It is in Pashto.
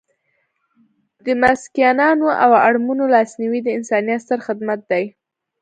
د مسکینانو او اړمنو لاسنیوی د انسانیت ستر خدمت دی.